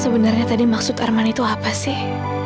sebenarnya tadi maksud arman itu apa sih